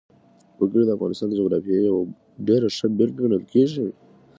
وګړي د افغانستان د جغرافیې یوه ډېره ښه بېلګه ګڼل کېږي.